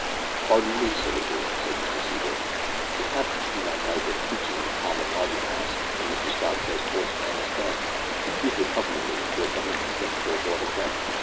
"Pardon me, Sir Richard," said Mr Seaward, "this happens to be my night for preaching in the common lodging house where Mr Scott says poor Sam is staying. If you choose to accompany me, there is nothing to prevent your little daughter going.